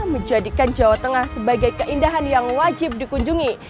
menjadikan jawa tengah sebagai keindahan yang wajib dikunjungi